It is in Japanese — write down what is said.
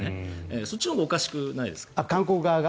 そっちのほうがおかしくないですか？